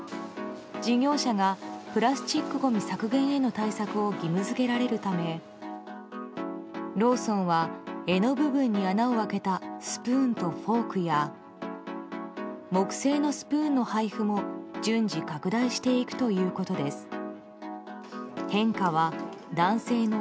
事業者がプラスチックごみ削減への対策を義務付けられるためローソンは、柄の部分に穴を開けたスプーンとフォークや木製のスプーンの配布も順次拡大していくということです。